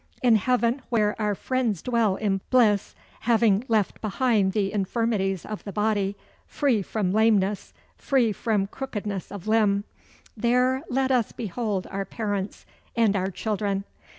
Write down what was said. "In heaven, where our friends dwell in bliss having left behind the infirmities of the body, free from lameness, free from crookedness of limb there let us behold our parents and our children."